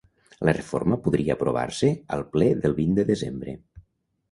La reforma podria aprovar-se al ple del vint de desembre.